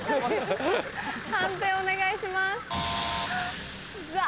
判定お願いします。